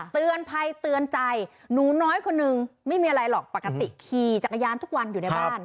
เตือนภัยเตือนใจหนูน้อยคนนึงไม่มีอะไรหรอกปกติขี่จักรยานทุกวันอยู่ในบ้าน